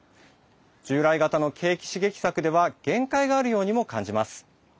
従来型の景気刺激策では限界があるようにも感じます。